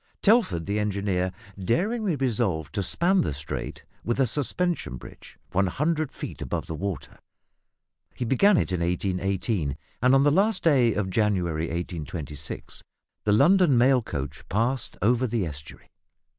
Telford, the engineer, daringly resolved to span the strait with a suspension bridge 100 feet above the water. He began it in 1818, and on the last day of January 1826 the London mail coach passed over the estuary.